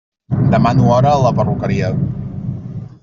Demano hora a la perruqueria.